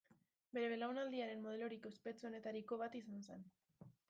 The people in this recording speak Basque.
Bere belaunaldiaren modelorik ospetsuenetariko bat izan zen.